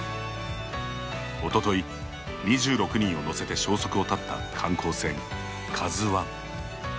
おととい、２６人を乗せて消息を絶った観光船「ＫＡＺＵ１」。